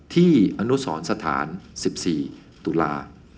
ที่อนุสรสถาน๑๔ตุลา